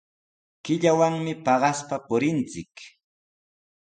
Killawanmi paqaspa purinchik.